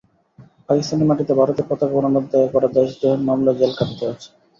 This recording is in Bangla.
পাকিস্তানের মাটিতে ভারতের পতাকা ওড়ানোর দায়ে করা দেশদ্রোহের মামলায় জেল খাটতে হচ্ছে।